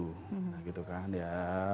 nah gitu kan ya